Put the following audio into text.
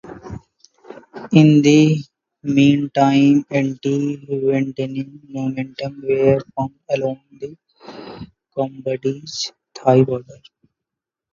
In the meantime, anti-Vietnamese movements were formed along the Cambodian-Thai border.